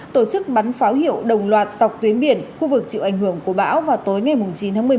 tổ chức bắn pháo hiệu đồng loạt dọc tuyến biển khu vực chịu ảnh hưởng của bão vào tối ngày chín tháng một mươi một